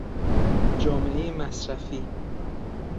جامعهی مصرفی